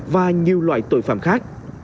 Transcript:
và nhiều loại tội phạm khác